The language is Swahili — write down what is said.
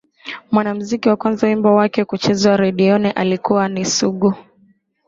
Mwanamuziki wa kwanza wimbo wake kuchezwa redioni alikuwa ni Sugu